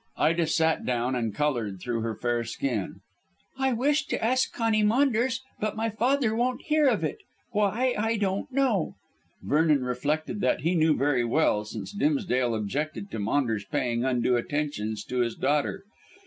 Ida sat down and coloured through her fair skin. "I wished to ask Conny Maunders, but my father won't hear of it. Why, I don't know." Vernon reflected that he knew very well, since Dimsdale objected to Maunders paying undue attentions to his daughter.